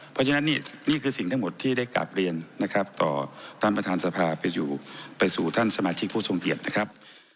เพราะฉะนั้นนี่คือสิ่งทั้งหมดที่ได้กลับเรียนนะครับต่อท่านประธานสภาไปอยู่ไปสู่ท่านสมาชิกผู้ทรงเกียจนะครับ